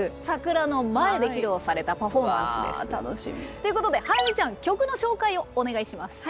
ということでハラミちゃん曲の紹介をお願いします。